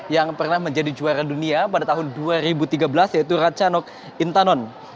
yang pernah menjadi juara dunia pada tahun dua ribu tiga belas yaitu rachanok intanon